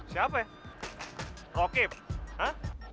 siapa ya rokib hah